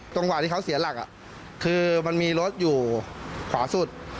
จังหวะที่เขาเสียหลักคือมันมีรถอยู่ขวาสุด